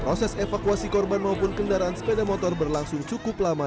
proses evakuasi korban maupun kendaraan sepeda motor berlangsung cukup lama